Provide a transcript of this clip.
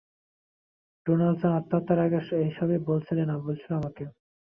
Donaldson আত্মহত্যার আগে এসবই বলেছিল আমাকে!